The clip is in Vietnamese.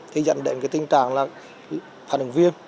thì dẫn đến tình trạng phản ứng viêm